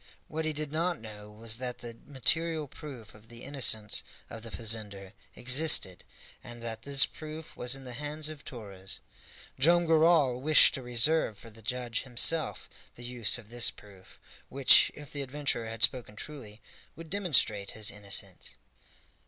What he did not know was that the material proof of the innocence of the fazender existed, and that this proof was in the hands of Torres. Joam Garral wished to reserve for the judge himself the use of this proof, which, if the adventurer had spoken truly, would demonstrate his innocence.